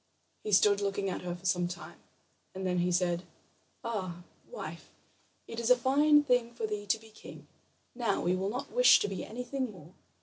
He stood looking at her for some time, and then he said: "Ah, wife, it is a fine thing for thee to be king; now we will not wish to be anything more."